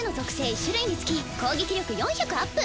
１種類につき攻撃力４００アップ！